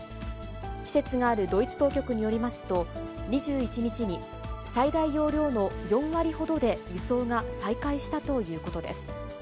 施設があるドイツ当局によりますと、２１日に、最大容量の４割ほどで輸送が再開したということです。